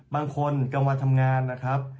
บางคนกำวัดทำงานนะครับ